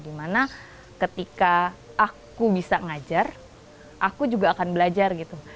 dimana ketika aku bisa ngajar aku juga akan belajar gitu